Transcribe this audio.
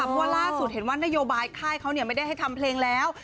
เพราะว่าล่าสุดเห็นว่านโยบายค่ายเขาไม่ได้ให้ทำเพลงแล้ว